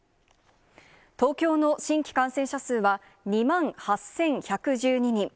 東京の新規感染者数は２万８１１２人。